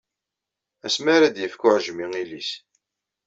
Asmi ara d-yefk uɛejmi ilis.